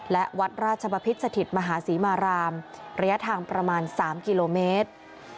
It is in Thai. และวัดราชบพิษสถิตมหาศรีมารามระยะทางประมาณ๓กิโลเมตร